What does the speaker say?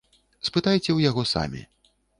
Спытайце ў яго самі.